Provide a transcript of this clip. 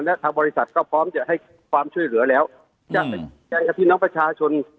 และทางบริษัทก็พร้อมจะให้ความช่วยเหลือแล้วจะไปแจ้งกับพี่น้องประชาชน